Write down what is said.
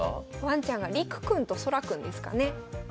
ワンちゃんが陸くんと空くんですかね。